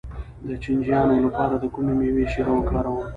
د چینجیانو لپاره د کومې میوې شیره وکاروم؟